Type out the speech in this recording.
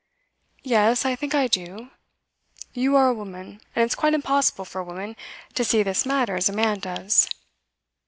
'Yes, I think I do. You are a woman, and it's quite impossible for a woman to see this matter as a man does.